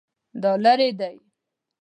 دا لیرې دی؟